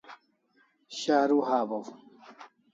Sharu hawaw